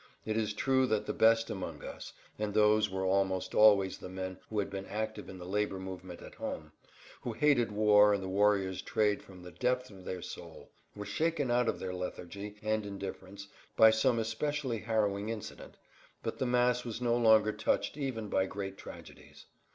It is true that the best among us—and those were almost always the men who had been active in the labor movement at home, who hated war and the warrior's trade from the depth of their soul—were shaken out of their lethargy and indifference by some especially harrowing incident, but the mass was no longer touched even by great tragedies.